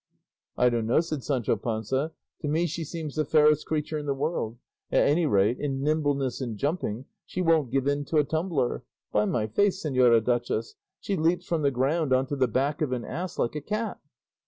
"I don't know," said Sancho Panza; "to me she seems the fairest creature in the world; at any rate, in nimbleness and jumping she won't give in to a tumbler; by my faith, señora duchess, she leaps from the ground on to the back of an ass like a cat."